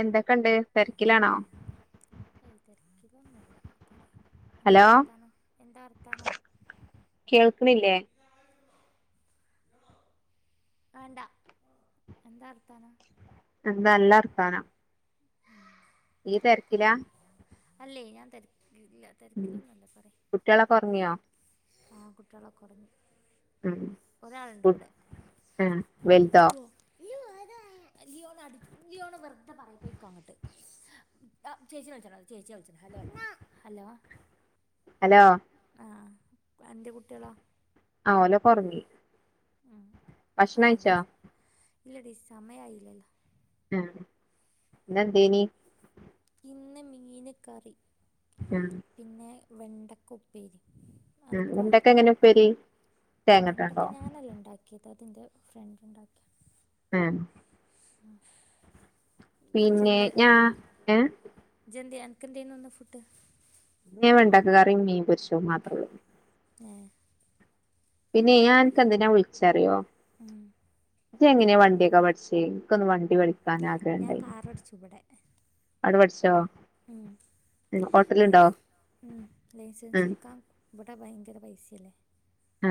എന്തക്കണ്ട്? തെരക്കിലാണോ? ഏയ് തേര്ക്കിലൊന്നല്ല. പറി എന്താ ഹലോ വർത്താനം. എന്താ വർത്താനം കേൾക്കണില്ലേ വേണ്ടാ.. എന്താ വർത്താനം എന്താ.. ല്ലർത്താനം ഇയ്യ് തെര്ക്കിലാ അല്ലെയ്‌ ഞാൻ തെര് മ്മ് കുട്ട്യാളൊക്കൊർങ്ങിയോ? ആഹ് കുട്ട്യാളൊക്കൊർങ്ങി ഉം ഉം വൽ വൽതോ. ലിയോണ അടി ലിയോണ് വെറുത പറ്യ, പ്പോയിക്കോ അങ്ങട്ട്, ആ ചേച്ചി നെ വിളിച്ചാ ന്നാല് ചേച്ചിനെ വിളിച്ച ഹലോ. ഹലോ. ആ ആഹ എന്റെ കുട്ടികളാ. ആ ഓലോക്കൊറങ്ങി. ആ. ഭക്ഷണഴിച്ചാ. ഇല്ലഡീ, സമയായില്ലല്ലോ. ഉം ന്നെന്തേനി. ഇന്ന് മീന് കറി ആഹ് പിന്നെ, വെണ്ടക്ക ഉപ്പേരിം ഉം വെണ്ടക്കെങ്ങനെ ഉപ്പേരി തേങ്ങട്ടാണ്ടോ?. അത്ൻ്റെ ഫ്രണ്ട്ണ്ടാക്ക്യ ആഹ. ആ പിന്നെ ഞാ ഏഹ. അൻക്കെന്തേന്നുന്ന് ഫുഡ്. ഇന്ന് വേണ്ടക്കകറിം മീൻ പൊരിച്ചൊംമാത്രേള്ളൂ. ഏ. പിന്നെയ്, ഞാഅൻക്കെന്തിനാ വിളിച്ചറിയോ. ഉം. ഇജ് എങ്ങനെയാ വണ്ടിയൊക്കെ പഠിച്ചേ, ഇൻക്കൊന്ന് വണ്ടി പഠി. ഞാൻ കാറോടിച്ചു ബടെ. അവട പഠിച്ചോ. ഹോട്ടലുണ്ടോ മ് ആഹ് ലൈസൻസ്ട്കാൻ വടെ ഭയങ്കര പൈ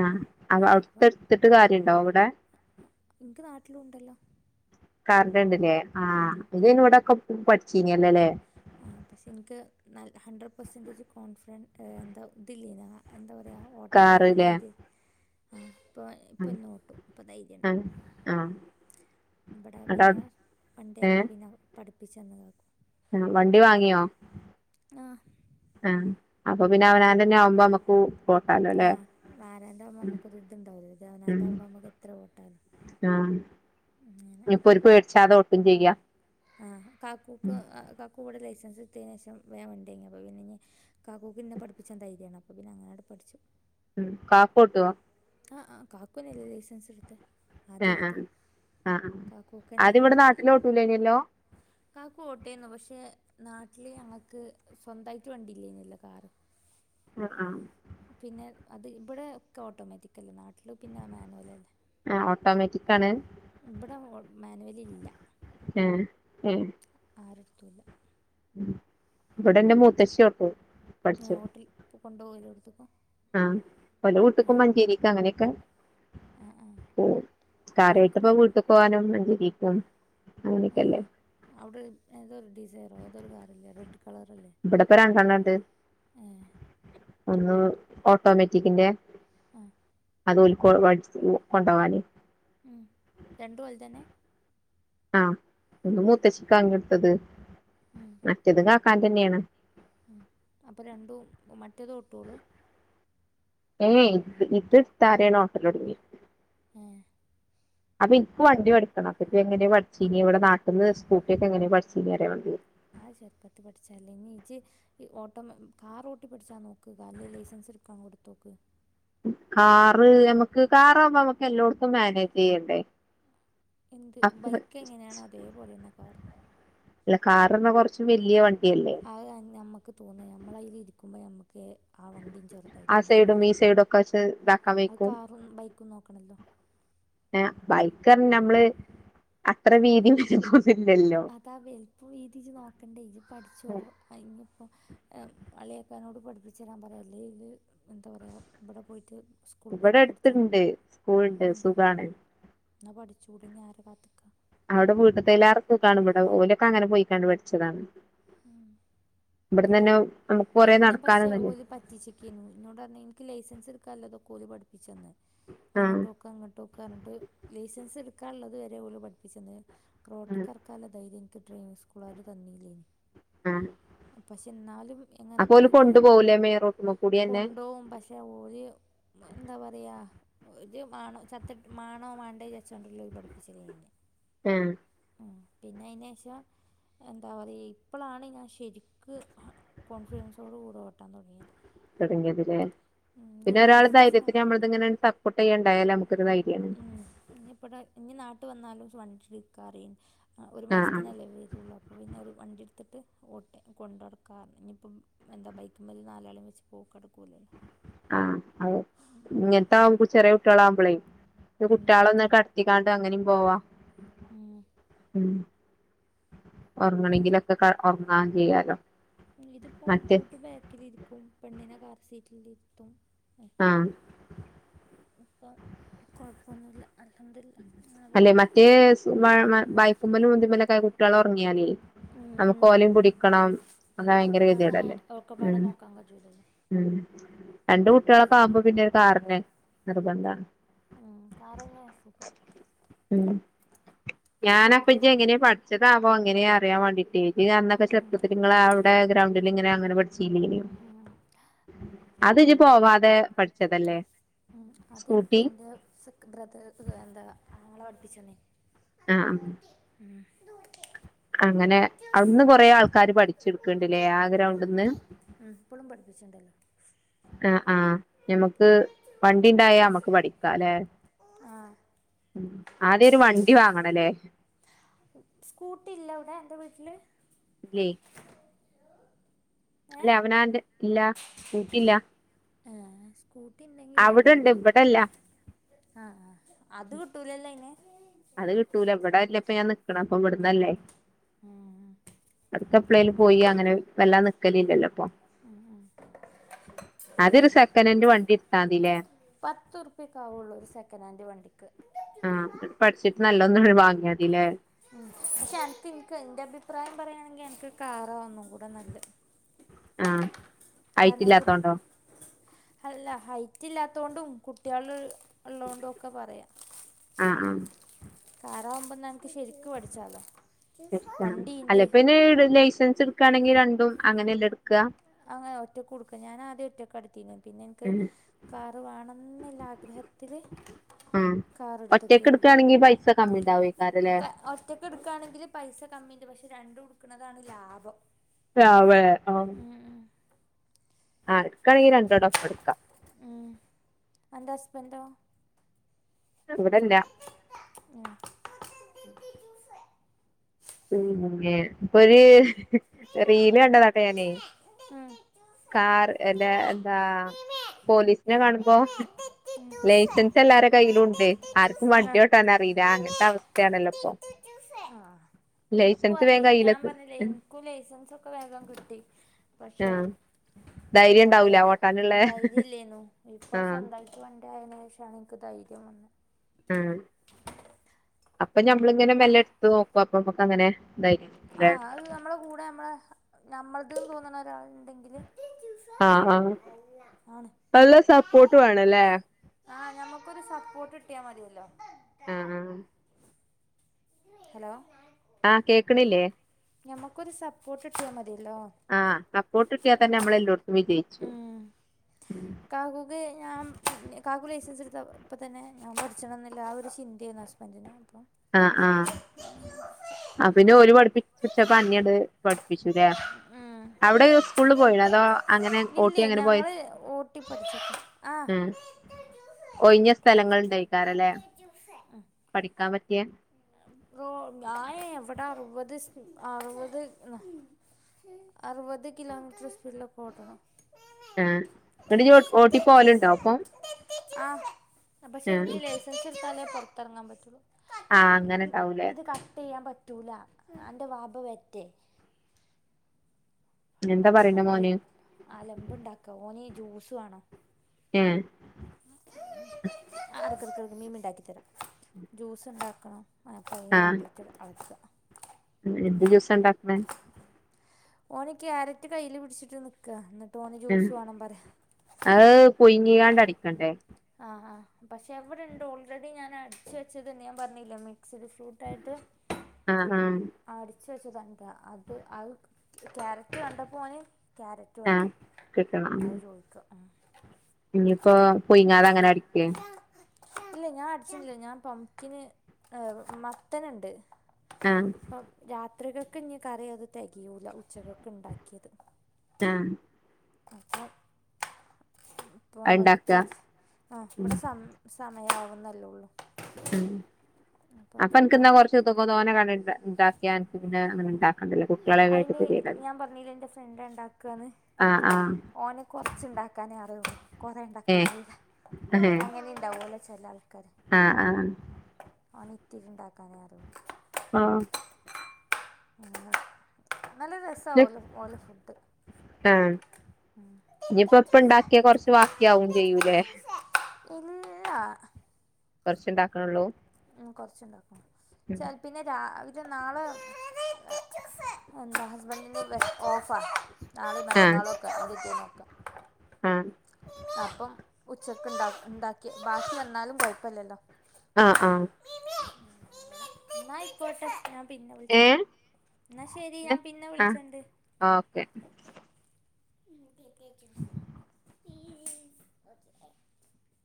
ആഹ അപ്പൊ ഔട്ത്തെട്ത്തിട്ട് കാര്യണ്ടോ വടെ. ഇൻക്ക് നാട്ടിലുണ്ടല്ലോ. കാറിന്റെണ്ട് ലെ, ആഹ്.. ഇജ് അയ്ന് ഇവിടൊക്കെ പഠിച്ചീനല്ലേ ലേ.. ആ പക്ഷെ ഇൻക്ക്, ഹൺഡ്രഡ് പെർസെന്റേജ് കോൺഫിഡൻറ് എന്താ ഇതില്ലേനോ എന്താ പറയാ ഓട്ടാല്ല ആ ഒരു കാറ്ല്ലേ ധൈര്യം. ഇപ്പോ ആഹ് ഇപ്പന്നോട്ടും ഇപ്പം ധൈര്യണ്ട്. ആഹ് ആഹ് ഇവിടാ പിന്നെ എന്നട്ട് വണ്ടിയായപ്പോ പിന്നെ പഠിപ്പിച്ചന്ന് കാക്കു ആ വണ്ടി വാങ്ങിയോ? ആഹ് ആഹ, അപ്പൊ പിന്നെ അവനാന്റന്നെ ആവുമ്പോ അമ്മക്കു. ആഹ് ആരാന്റാവുമ്പോ നമുക്ക് ഒര് ഇുതിണ്ടാവൂല ഇത് അവനാന്റെആകുമ്പോ നമുക്ക് എത്ര ഓട്ടാലോ. ആ ഇപ്പൊ ഒരു പേടിച്ചാതെ ഓട്ടും ചെയ്യാ. ആ കാക്കൂക്ക് ഉം കാക്കൂ കൂടെ ലൈസൻസ്. എടുത്തേനേഷം വേ വണ്ടിവാങ്ങി അപ്പൊ പിന്നെ ഞ്ഞി കാക്കൂക്ക്ന്നെ പഠപ്പിച്ചാൻ ധൈര്യാണ് അപ്പ പിന്നെ അങ്ങനട് പഠിച്ചു. ഉം കാക്കൊട്ടോ? ആഹ് ആഹ് കാക്കു അന്നെല്ലേ ലൈസെൻസ് എടുത്തെ ആദ്യ എടുത്ത്. ആ കാക്കൂക്കനെ ആദ്യവിടെ നാട്ടിലോട്ടുലേനല്ലോ? ക്കാകുഓട്ടേന്നു പക്ഷെ നാട്ടില് ഞങ്ങക്ക് സ്വന്തായിട്ട് വണ്ടില്ലേന്നല്ലോ കാറ്. ആ ആ പിന്നെ അത് ഇവിടെ ഒക്കെ ഓട്ടോമറ്റിക്കല്ലേ നാട്ടില് പിന്നെ മാനുവലല്ലേ. ഓട്ടൊമാറ്റിക്കാണ്. ഇവിടെ ഓ മാനുവൽ ഇല്ല ഏഹ് ഏഹ് ആരടുത്തൂല്ല. ഇവിടെ എന്റെ മുത്തശ്ശിയോട്ടു. ഞ വോട്ടിൽ കൊണ്ടുവോ എല്ലോട്ത്ക്കും. ആഹ് ഓന്റെ വീട്ടിക്കും മഞ്ചേരിക്ക് അങ്ങനെയൊക്കെ ആ ആ ഓ എനിക്ക് കാരായിട്ടപ്പോ പോ- വീട്ടു പോവാനും മഞ്ചേരിക്കും. അങ്ങനെയൊക്കെല്ലേ ആഹ് അവിടെ ഏതൊരു ഡിസൈ ഇവിടെപ്പോ രണ്ടെണ്ണണ്ട് ഏ ആ ഉം ഓട്ടോമിറ്റിക്കിന്റെ. ആഹ് അതോൽക് [unintelligible] കൊണ്ടൊവാന് ഉം രണ്ടും ഓൽതന്നെ ആഹ് ഒന്ന് മൂത്തച്ഛിക്ക അങ്ങെടുത്തത്. മറ്റത് കാക്കാന്റെന്നെയാണ്. അപ്പൊ രണ്ടും മറ്റേതോട്ടോള്? ഏയ് ഇത് ഇത്തടെയാണ് ഓട്ടലൊട്ങ്ങ്യെ ഏ അപ്പൊ എനിക്കും വണ്ടി പടിക്കണം. അപ്പ എങ്ങനെയ പടിച്ചീനി. ഇവിടെ നാട്ടിന്ന് സ്കൂട്ടിയൊക്കെ എങ്ങനെയാ പഠിച്ചീനീ പറയാ വണ്ടി ആഹ് ചെറുപ്പത്തി പഠിച്ചല്ലേ ഇനി ഇജ്ജ് ഈ ഓട്ടം കാർ ഓട്ടി പഠിച്ചാ നോക്ക്. കാറിലെ ലൈസൻസ് എടുക്കാൻ കൊടുത്തോക്ക്. കാറ് നമ്മക്ക് കാറാവുമ്പോ നമ്മുക്ക് എല്ലോടത്തും മാനേജ് ചെയ്യണ്ടേ? എന്ത് അപ്പൊ ബൈക്ക് എങ്ങനെയാണോ അതേപോലെന്നെ കാറ്. അല്ല കാറെന്നാ കൊറച്ച് വല്യ വണ് അത് നമ്മക്ക് തോന്ന ഞമ്മളയിൽ ഇരിക്കുമ്പോ നമ്മക്ക് ഒക്കെ ആ വണ്ടി ആ ചെറുതായിട്ടന്നെ സൈഡും തോന്ന ഈ സൈഡും ഒക്കെ വെച്ച് ഇതാക്കാൻ അത് കാറും ബൈക്കും നോക്കണല്ലോ. ആ ബൈക്കർഞ്ഞ നമ്മള് അത്ര വീതി വലിപ്പം ഒന്നു അതാ വെലിപ്പം വീതി ജ് നോക്കണ്ടേ ഇജ് പഠിച്ചോ അയ്നിപ്പം അളിയാക്കാനോട് പഠിപ്പിച്ചെരാൻ പറയ് അല്ലെങ്കിൽ എന്താ പറയ ഇവിടെ പോയിട്ട് സ്കൂളിൽ ഇവിടെ പോയിട്ട് അടുത്തുണ്ട് പഠിച്ചാൽ സ്കൂൾ ഇണ്ട് സുഖാണ്. ഇജ്ജൂടെ പിന്നെ ആരെ കാത്ക്കാ അവിടെ വീട്ടത്തെലെറെ സുഗാണ് ഇവടെ ഓലൊക്കെ അങ്ങനെ പോയിക്കാണ്ട് പഠിച്ചതാണ്. ഇവിടന്നന്നെ ഇന്നെ പക്ഷെ ഓല് പറ്റിച്ച്ക്കേനു ഇന്നോട് പറഞ്ഞ് എനിക്ക് ലൈസൻസ് എടുക്കാല്ലൊതൊക്കെ ഓല് പഠിപ്പിച്ചന്ന്. ആഹ് അങ്ങട്ടോക്ക് ഇങ്ങട്ടോക്ക് പർഞ്ഞ്ട്ട് ലൈസൻസ് എടുക്കാനുള്ളത് വരെ ഓല് പഠിപ്പിച്ചെന്ന് ആഹ് റോട്ടിക്കെറക്കാൻല്ലെ ധൈര്യം എനിക്ക് ഡ്രൈവിംഗ് സ്കൂളാര് തന്നില്ലേന്ന്. ആഹ് പക്ഷെ എന്നാലും അപ്പൊ എങ്ങനൊക്കോ ഓല് ആയിട്ട് കൊണ്ടു ഞാം പോകൂലേ കൊണ്ട് മെയിൻ പോവൂലെ? റോട്ടുമ്മ കൂടി തന്നെ കൊണ്ടോകും പക്ഷെ ഓര് എന്താ പറയാ ഇത് മാണോ ചത്തട്ട് മാണോ മാണ്ടേ വിചാരിച്ചോണ്ടുള്ളൊര് പഠിപ്പിച്ചലേന്. ആഹ് ഉം പിന്നെ അയ്നേഷം എന്താ പറയ ഇപ്പളാണ് ഞാൻ ശരിക്ക് കോൺഫിഡൻസോട് കൂടെ ഓട്ടാൻ തുടങ്ങിയത്. തുടങ്ങിയത് ല്ലേ ഉം, ഞാൻ പിന്നെ ഒരാള് ലൈസൻസിന് ധൈര്യത്തിന് നമ്മളത്ങ്ങനെ സപ്പോർട്ട് ചെയ്യണ്ടായാലമ്മ ഉം ഇനി ഇപ്പടെ ഇനി നാട്ട് വന്നാലും വണ്ടിട്ക്കാറി ആ ഒരു ആഹ് ആഹ് മാസത്തിനല്ലേ വരൊള്ളൂ അപ്പൊ പിന്നെ ഒരു വണ്ടിട് ത്തിട്ട് ഓട്ടെ കൊണ്ട് ടക്കാ ഇനിയിപ്പം എന്താ ബൈക്ക്മ്മലിൽ നാലാളും വച്ച് പോക്കടക്കൂല്ലല്ലോ ആഹ് അത് ആ. ഇങ്ങനത്താവുമ്പ ചെറിയ കുട്ട്യേലാവുമ്പളെ ഒരു ഉം. കുട്ടികളെ ഒന്ന് കടത്തിക്കാണ്ട് അങ്ങനേം പോവാ. ഉം ഒറങ്ങണമെങ്കിലൊക്കെ ഒറങ്ങാൻ ചെയ്യാലോ ഇതിപ്പോം മറ്റേ ടൂ ടു ബാക്കിലിരിക്കും പെണ്ണിനെ കാർ സീറ്റിലിരുത്തും ആഹ് വന്നില്ല അല്ലെ മറ്റേ [inaudible] വായിക്കുമ്പലും തുമ്മലൊക്കെ കുട്ടികൾ ഒറങ്ങിയാലേ നമുക്ക് പോവും ഓലയും പുടിക്കണം അത് ഭയങ്കര ഒക്കെപ്പാടെ കതിടല്ലേ ഹാ- ഉം ഒക്കെപ്പാടെ നോക്കാൻ കഴിയൂലല്ലേ ഉം രണ്ട് കുട്ടികളൊക്കെ ആവുമ്പോ പിന്നെ ഒരു കാറിന് നിർബന്ധാണ് കാർ തന്നെ സുഖം ഉം ഞാന അപ്പ ഇജ്ജ് എങ്ങനെയെ പഠിച്ചതാ വോ എങ്ങനെ അറിയാൻ വേണ്ടിട്ടേ ഈ അന്നൊക്കെ ഉം, ഉം, ചെുപ്പത്തില്ഇങ്ങളെ അവടെ ഗ്രൗ ഇങ്ങനെ അങ്ങനെ പഠിചീല്ലേനോ ഉം, ഉം. അത് ഇജ്ജ് പോവാതെ പഠിച്ചതല്ലേ ഉം അത് എനിക്ക് സ്കൂട്ടി എന്റെ ബ്രതർ എന്താ ആങ്ങളെ പഠിപ്പിച്ചന്നെ ആ ആ അങ്ങനെ അവിടുന്ന് കൊറെേ ആൾക്കാാര് പഠിച്ചെടുക്ക്ണ്ട്ല്ലേ ആ ഗ്രൗണ്ടന്ന് ഇപ്പളും പഠപ്പിച്ചിുണ്ടല്ലോ ആ ആ ഞമ്മുക്ക് വണ്ടിണ്ടായാ നമ്മക്ക് പഠിക്കാല്ലേ ആ ആദ്യ ഒരു വണ്ടി വാങ്ങണല്ലേ സ്കൂട്ടി ഇല്ല അവിടെ അന്റെ വീട്ടില്. ഇല്ലയ് ഏ അല്ലെ അവനാന്റെ ഇല്ല സ്കൂട്ടി ഇല്ല ആ കൂട്ടി ഉണ്ടെങ്കി വേൻ അവിടെണ്ട് പഠിച്ച ഇവിടെല്ല ആഅ അത് കിട്ടൂലല്ലോ അയിൻ അത് കിട്ടൂല ഇബട ല്ലപ്പ ഞാൻ നിക്കണേ അപ്പൊ ഇവിടുന്നല്ലേ എടക്കപ്പളേൽ പോയി അങ്ങനെ വെല്ലാതെ ന ലല്ലല്ലോപ്പൊ ആദ്യരു സെക്കനൻഡ് വണ്ടി ഇട്ത്താതില്ലേ പത്ത് ഉറുപ്പ്യക്ക ആവൊള്ളൂ ഒരു സെക്കനൻ്ഡ് വണ്ടിക്ക് ആന്നട്ട് പഠിച്ചിട്ട് നല്ലൊന്ന് വാങ്ങ്യതില്ലേ ഉം പക്ഷെ അനക്ക് ഇനിക്ക് എന്റെ അഭിപ്രായം പറയയാണെങ്കിൽ അനക്ക് കാറാ ഒന്നും കൂടെ നല്ല ആ ഹൈറ്റ് ഇല്ലാത്തോണ്ടോ അല്ല ഹൈറ്റ് ഇല്ലാത്ത കൊണ്ടും കുട്ടികള ഉള്ളൊണ്ടും ഒക്കെ പറയാം ആ ആ കറാവുമ്പ ന്നനക്ക് ശെരിക്കും പഠിച്ചാലോ വണ്ടീണ്ട് ക്കണെങ്കിൽ രണ്ടും അങ്ങനെ എല്ലെ ഇട്ക്ക ആ ഒറ്റക്കുംഇടക്ക ഞാൻ ആദ്യം ഒറ്റക്ക ഇടുത്തീന് പിന്നെ എനിക്ക് ഉം കാറ് വേണംന്നില്ല ആഗ്രഹത്തില് ഒറ്റക്ക് എടുക്കുകയാണെങ്കിൽ പൈസ കമ്മി ഉണ്ടാവേക്കാരല്ലേ ഒറ്റക്ക് ഇടുക്കുകയാണെങ്കിൽ പൈസ കമ്മി പക്ഷെ രണ്ടു ഇട്ക്ക്ണതാണ് ലാഭം രാവെ ആ ഉം ആ ഉം ഇട്ക്കാണെങ്കി രണ്ടോണ്ട് ഒപ്പം ഇട്ക്ക അന്റെ ഹസ്ബൻ്റോ ഇവിടെല്ലാ ഉം ഉ ഇപ്പൊ ഒരു റീൽ കണ്ടതാട്ടൊ ഞാനേ ആ. കാർ എല്ല എന്താ പോലീസിനെ കാണുമ്പോ ലൈസൻസ് എല്ലരുടെ കയ്യിലുംണ്ട് ആർക്കും വണ്ടിയോട്ടാനറിയില്ല അങ്ങനത്തെ അവസ്ഥയാണല്ലോ ഇപ്പൊ ആ ഇനിക്കും ലൈസൻസ് അതെ വേഗം ഞാൻ കയ്യിലെത്തും പറഞ്ഞില്ലേ എനിക്കും ലൈസൻസ് ഒക്കെ വേഗം കിട്ടി പക്ഷെ ആഹ് ധൈര്യം എന്താ ഉണ്ടാവൂല പറയാ ഓട്ടാനുള്ള ധൈര്യം ഇല്ലേന്നു ഇപ്പൊ ആഹ് സ്വന്തമായിട്ട് വണ്ടിയ പ്പ ളാ ന്ക്ക് ധൈര്യം വന്നത് ആ അപ്പൊ നഞമ്മളിങ്ങനെ മെല്ലെ എടുത്ത് നോക്കും അപ്പൊ നമ്മുക്ക് അങ്ങനെ ഇതായി ല്ലേ ആഹ് അത് നമ്മളെ കൂടെ നമ്മളെ നഞമ്മളത് തോന്നണ ഒരാൾ ആഹ് ആഹ് ആണ് നല്ല സപ്പോർട്ട് വേണല്ലേ ആഹ് ഞമ്മക്കൊരു സപ്പോർട്ട് കിട്ടിയാൽ മതിയല്ലോ ആഹ് ആഹ് ഹലോ ആഹ് കേക്കണില്ലേ ഞമ്മക്കൊരു സപ്പോർട്ട് കിട്ട്യാ മതി ആഹ് സപ്പോകിട്ട് കിട്ടിയാൽ തന്നെ നമ്മള് എല്ലോടത്തും വിജയിച്ചു ഉം കാക്കുകെ ഞാൻ കാക്കുേലെയ് സൻസെടുത്ത അപ്പം തന്നെ ഞാൻ പട്ച്ചണംന്നില്ല ആ ഒരു ചിന്തയാരുന്നു ഹസ്ബൻഡിനന് ആഹ് ആഹ് ആ പിന്നെ ഓല് പഠിപ്പി ച്ചപ്പ അന്ട് പഠിപ്പിച്ചുലേ ഉം അവിടെ സ്കൂളിൽ പോയിന്നോ അതോ അങ്ങനെ ഓട്ടി ഇല്ലേ അങ്ങനെ പോയി ഞങ്ങള് ഓട്ടി പഠിച്ചക്ക ഉം ആഹ് ഒയിഞ്ഞ സ്ഥല ലങ്ങള് ഉണ്ടായിക്കാറല്ലേ പഠിക്കാൻ പറ്റിയ റോ ഞായ എവിടെ അറുപത് ആറുപത് അറുപത് കിലോമീറ്റർ സ്പീഡില പോന്നത് ആഹ് എന്നിട്ട് ഇയ്യ് ഓട്ടി പോവലുണ്ടോ അപ്പൊ ആഹ് പക്ഷെ ആഹ് ഇീ ലൈസൻസ് എടുത്താലേ പൊറത്തിറങ്ങാൻ പറ്റുള്ളൂ ആഹ് അങ്ങനെ ഇ ഉണ്ടാവൂലേ ഇത് കട്ട് ചെയ്യാൻ പറ്റൂല അന്റെ വാപ്പ വർറ്റേ എന്താ പറയണേ മക്കൾ അല മോന് അലമ്പ് ഇണ്ടാക്ക ഓന് ജ്യൂസ് വേണോ ഏ ക മീൻ ഉണ്ടാക്കി തരാം ജ്യൂസ്ണ്ടാക്കണം പ്പ അയ്ന് ആഹ് വേണ്ടിയിട്ട് അടുക്കുക ത്തണ്ടാക്കന്നത് ഓന് ക്യാരറ്റ് കൈയില് പിടിച്ചിട്ട് നിക്ക എന്നിട്ട് ഓന് ജ്യൂസ് വേണം പറയാ പൊയിങ്ങീങ്ങാണ്ട് അടിക്കണ്ടേ ആഹ് ആ പക്ഷെ എവിടെണ്ട് ഓൾറെഡി ഞാൻ അടിച്ചു വെച്ചത് ഞാൻ പറഞ്ഞില്ല മീ മിക്സഡ് ഫ്രൂട്ട് ആായിട്ട് ആഹ് ആഹ് അടിച്ച് വെച്ചത അത് അത് ക്യാരറ്റ് കണ്ടപ്പോൾന് ക്യാരറ്റ് ആഹ് വേണം കിട്ടണം അത് ചോദിക്കുക ഇനിയിപ്പോ പൊയിങ്ങാതെ അങ്ങനെ അടിക്ക് ഇല്ല ഞാൻ അടിച്ചിട്ടട്ടില്ല ഞാൻ പംക്കിന് ഏർ മത്തനുണ്ട് ആഹ് അപ്പം രാത്രികൾക്ക് ഇനി കറിയ അത് തികയൂല ഉച്ചകൾക്ക് ഉണ്ടാക്കിയത് ആഹ് [unintelligible] ഇപ്പോൾ അത്ണ്ടാക്ക വയ്ക്കാ ആ ഉം ഇവിടെ സമ സമയമാവുന്നല്ലേ ഉള്ളൂ ഉം അപ്പോൾ അപ്പൊ അനക്ക്ന്താ അതുണ്ടാക്കും കൊറച്ച് തോനെ ക ഇണ്ടാക്കിയ എന പിന്നെ അങ്ങനെണ്ടാക്ക അയിന് ഞാൻ പറഞ്ഞീലെ എൻ്റെ ഫ്രണ്ട് ഉണ്ടാക്കന്ന് ആഹ് ആഹ് ഓനെ കൊറച്ചുണ്ടാക്കാനേ അറിയൊള്ളൂ കൊറേ ഉണ്ടാക്കാൻ ഏഹ് അറില്ല ഏഹ് അങ്ങനെണ്ടാവല്ലോ ആഹ് ആഹ് ഉണ്ടാക്കാന അറും ആഹ് ഉം നല്ല രസ ഓലെ ഓലെ ഫുഡ് ആഹ ഇനിയിപ്പ ഇപ്പ ഇണ്ടാക്കിയാ കൊറച്ച് വാാക്കിയാവും ചെയ്യൂലേ ഇല്ല കുറച്ചുണ്ടാക്കണള്ളൂ ഉ കൊറച്ചുണ്ടാക്കും ച പിന്നെ രാവ നാളെ ന ഹസ്ബെന്റി ന് ഓഫനാളെ മറ്റ നാളൊക്ക അടുത്തേ ക്ക ആഹ അപ്പം ഉച്ചക്ക്ഉണ്ടാക്കി ബാക്കി വന്നാലും കുഴപ്പല്ലല്ലോ ആഹ് ആഹ നആയിക്കോട്ടെ പിന്നെ വിളിച്ച ഏഹ് എന്നാ ശെരി ഞാൻ പിന്നെ ആഹ് വിളിച്ചണ്ട് ഓക്കെ [inaudible] [inaudible]